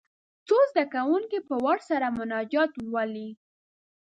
څو زده کوونکي په وار سره مناجات ولولي.